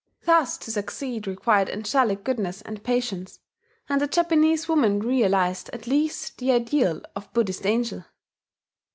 Thus to succeed required angelic goodness and patience; and the Japanese woman realized at least the ideal of a Buddhist angel.